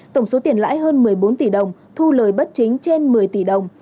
tổng số tiền lãi hơn một mươi bốn tỷ đồng thu lời bất chính trên một mươi tỷ đồng